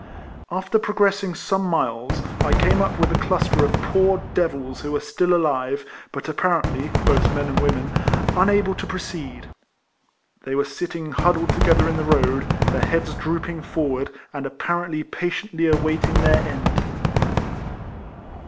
After progressing some miles, I came up with a cluster of poor devils who were still alive, but apparently, both men and wonien^ unable to proceed. They were sitting hud dled together in the road, their heads drooping forward, and apparently patiently awaiting their end.